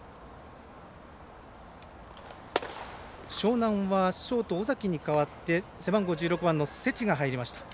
樟南はショート、尾崎に代わって背番号１６番の畝地が入りました。